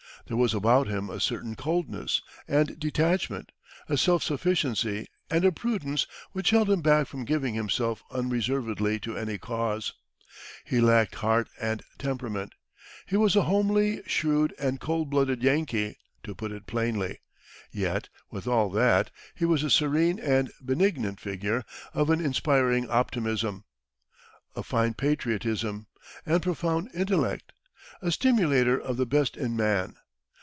There was about him a certain coldness and detachment, a self sufficiency, and a prudence which held him back from giving himself unreservedly to any cause. He lacked heart and temperament. He was a homely, shrewd and cold blooded Yankee, to put it plainly. Yet, with all that, he was a serene and benignant figure, of an inspiring optimism, a fine patriotism, and profound intellect a stimulator of the best in man.